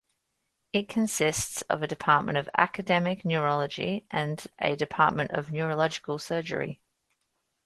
It consists of a department of academic neurology and a department of neurological surgery.